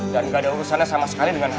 dan gak ada urusannya sama sekali lagi ya